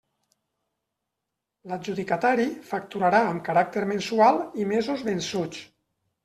L'adjudicatari facturarà amb caràcter mensual i mesos vençuts.